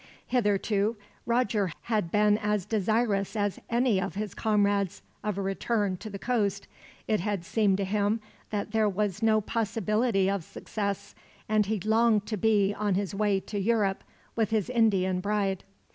Hitherto, Roger had been as desirous as any of his comrades of a return to the coast. It had seemed to him that there was no possibility of success, and he longed to be on his way to Europe, with his Indian bride.